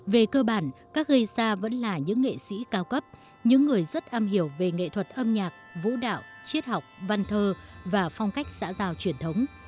về cơ bản các gây ra vẫn là những nghệ sĩ cao cấp những người rất am hiểu về nghệ thuật âm nhạc vũ đạo triết học văn thơ và phong cách xã giao truyền thống